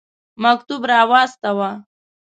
مکتوب را واستاوه.